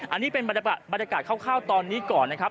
อันนี้เป็นบรรยากาศคร่าวตอนนี้ก่อนนะครับ